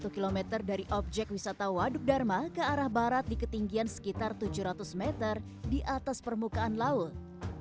satu km dari objek wisata waduk dharma ke arah barat di ketinggian sekitar tujuh ratus meter di atas permukaan laut